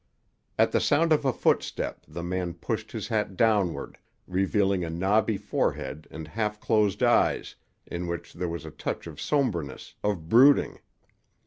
At the sound of a footstep, the man pushed his hat downward, revealing a knobby forehead and half closed eyes in which there was a touch of somberness, of brooding.